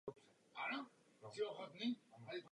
Obdobně lze použít místo hydroxidu chlorid.